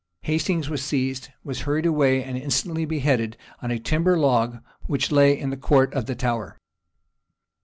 Hastings was seized, was hurried away, and instantly beheaded on a timber log, which lay in the court of the Tower.